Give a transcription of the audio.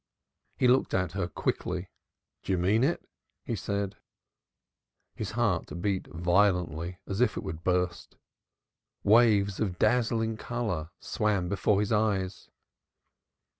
He looked at her quickly. "Do you mean it?" he said. His heart beat violently as if it would burst. Waves of dazzling color swam before his eyes.